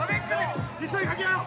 一緒にかけ合おう。